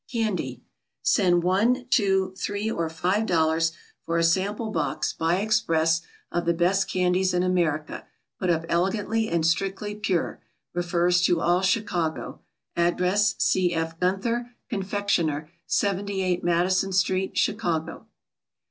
CANDY Send one, two, three, or five dollars for a sample box, by express, of the best Candies in America, put up elegantly and strictly pure. Refers to all Chicago. Address C. F. GUNTHER, Confectioner, 78 MADISON STREET, CHICAGO.